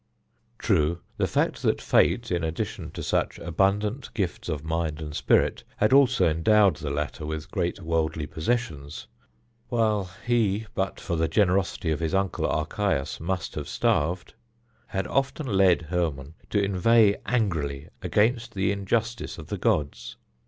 True, the fact that fate, in addition to such abundant gifts of mind and spirit, had also endowed the latter with great worldly possessions, while he, but for the generosity of his uncle Archias, must have starved, had often led Hermon to inveigh angrily against the injustice of the gods.